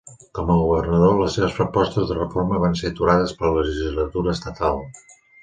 Com a governador, les seves propostes de reforma van ser aturades per la legislatura estatal.